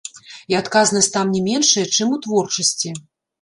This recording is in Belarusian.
І адказнасць там не меншая, чым у творчасці.